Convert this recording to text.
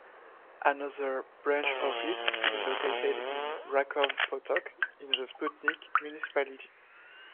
Another branch office is located in Rakov Potok in the Stupnik municipality.